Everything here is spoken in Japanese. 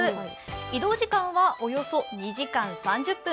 移動時間はおよそ２時間３０分。